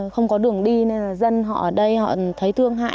không có đường đi nên dân họ ở đây họ thấy thương hại